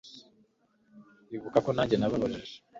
ibuka ko nanjye nababajwe